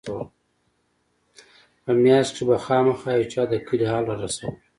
په مياشت کښې به خامخا يو چا د کلي حال رارساوه.